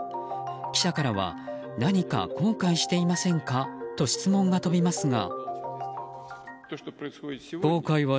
記者からは何か後悔していませんか？と質問が飛びますが。